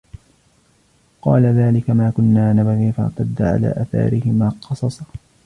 قال ذلك ما كنا نبغ فارتدا على آثارهما قصصا